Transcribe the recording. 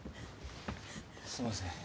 すいません。